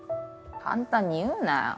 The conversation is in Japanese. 簡単に言うなよ。